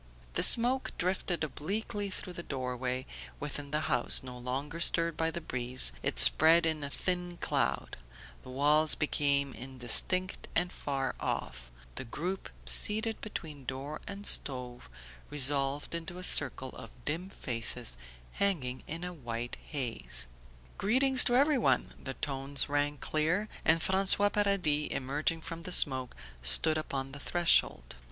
The smoke drifted obliquely through the door way; within the house, no longer stirred by the breeze, it spread in a thin cloud; the walls became indistinct and far off; the group seated between door and stove resolved into a circle of dim faces hanging in a white haze. "Greetings to everyone!" The tones rang clear, and François Paradis, emerging from the smoke, stood upon the threshold.